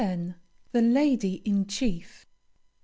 THE LADY IN CHIEF.